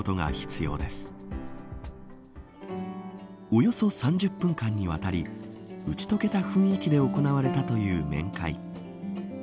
およそ３０分間にわたり打ち解けた雰囲気で行われたという面会。